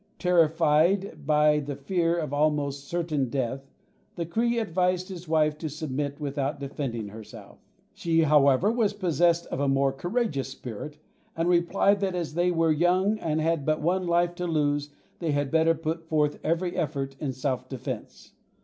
Terrified by the fear of almost certain death, the Cree advised his wife to submit without defending herself. She, however, was possessed of a more courageous spirit, and replied that as they were young and had but one life to lose they had better put forth every effort in self defence.